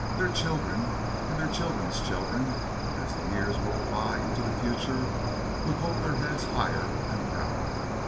Their children and their children's children, as the years rolled by into the future, would hold their heads higher and prouder.